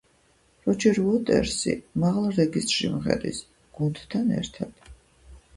როჯერ უოტერსი მაღალ რეგისტრში მღერის, გუნდთან ერთად.